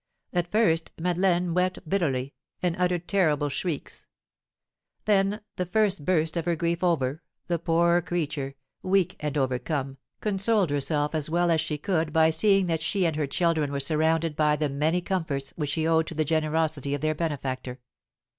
At first, Madeleine wept bitterly, and uttered terrible shrieks; then, the first burst of her grief over, the poor creature, weak and overcome, consoled herself as well as she could by seeing that she and her children were surrounded by the many comforts which she owed to the generosity of their benefactor.